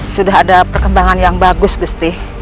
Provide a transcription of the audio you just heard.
sudah ada perkembangan yang bagus gusti